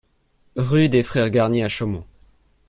Rue des Frères Garnier à Chaumont